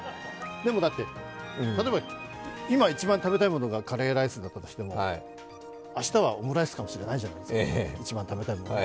例えば今、一番食べたいものがカレーライスだったとしても明日はオムライスかもしれないじゃないですか一番食べたいのが。